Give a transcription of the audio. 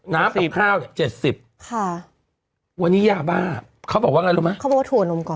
น้ำกับข้าว๗๐บาทวันนี้ยาบ้าเขาบอกว่ากันรู้มั้ยเขาบอกว่าถั่วนมก่อน